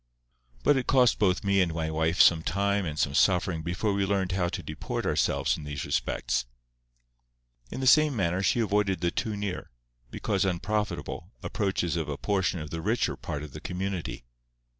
But it cost both me and my wife some time and some suffering before we learned how to deport ourselves in these respects. In the same manner she avoided the too near, because unprofitable, approaches of a portion of the richer part of the community.